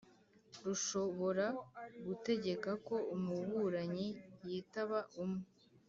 rushobora gutegeka ko umuburanyi yitaba ubwe